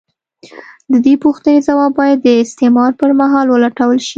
د دې پوښتنې ځواب باید د استعمار پر مهال ولټول شي.